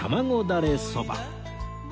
だれそば